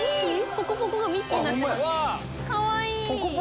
ポコポコがミッキーになってるかわいい！